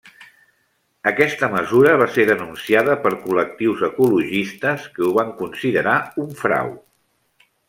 Aquesta mesura va ser denunciada per col·lectius ecologistes, que ho van considerar un frau.